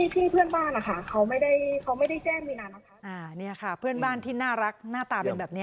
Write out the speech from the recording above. พี่เพื่อนบ้านเขาไม่ได้แจ้งมีนานะคะ